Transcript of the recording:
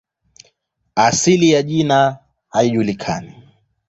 Asili ya jina haijulikani.